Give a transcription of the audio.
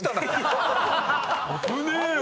危ねえよ。